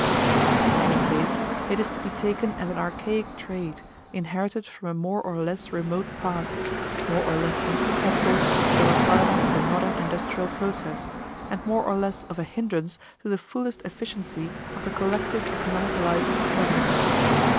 But in any case, it is to be taken as an archaic trait, inherited from a more or less remote past, more or less incompatible with the requirements of the modern industrial process, and more or less of a hindrance to the fullest efficiency of the collective economic life of the present.